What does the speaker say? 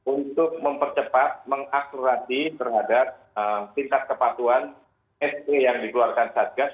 untuk mempercepat mengaklarasi terhadap tingkat kepatuan sdm yang dikeluarkan satgas